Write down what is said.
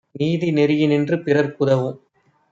நீதிநெறி யினின்று பிறர்க்கு தவும்